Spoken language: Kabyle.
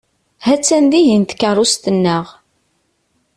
Ha-tt-an dihin tkeṛṛust-nneɣ.